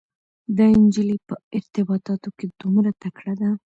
دا انجلۍ په ارتباطاتو کې دومره تکړه ده.